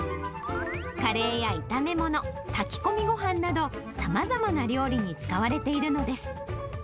カレーや炒め物、炊き込みごはんなど、さまざまな料理に使われているのです。